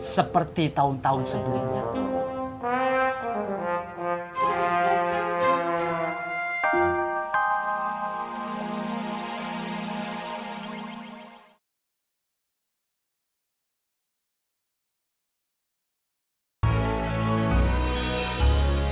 seperti tahun tahun sebelumnya